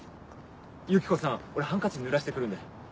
ユキコさん俺ハンカチぬらして来るんで。